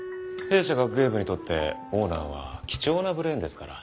弊社学芸部にとってオーナーは貴重なブレーンですから。